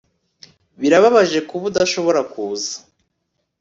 Birababaje kuba udashobora kuza